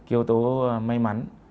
yếu tố may mắn